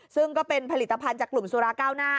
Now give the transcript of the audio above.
ซึ่งก็เป็นผลิตภัณฑ์จากกลุ่มสุราเก้าหน้า